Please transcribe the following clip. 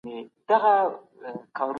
دې ته ړوند ټایپنګ وايي.